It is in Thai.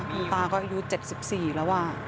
คุณตาก็อายุ๗๔แล้ว